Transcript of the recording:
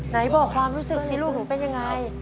ไหนบอกความรู้สึกสิลูกหนูเป็นยังไง